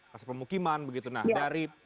kasus pemukiman begitu nah dari